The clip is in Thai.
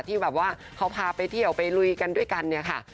ที่แบบว่าเขาพาไปเที่ยวไปลุยกันด้วยกันเนี่ยค่ะ